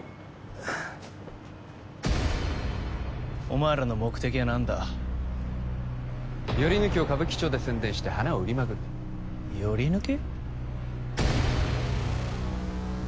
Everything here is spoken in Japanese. お前らの目的は何だヨリヌキを歌舞伎町で宣伝して花を売りまくるヨリヌキ？